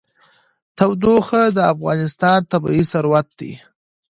تودوخه د افغانستان طبعي ثروت دی.